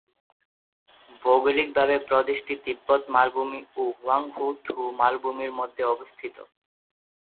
ভৌগলিকভাবে প্রদেশটি তিব্বত মালভূমি ও হুয়াং থু মালভূমির মধ্যে অবস্থিত।